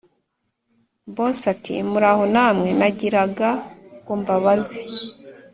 boss ati”muraho namwe, nagiraga ngo mbabaze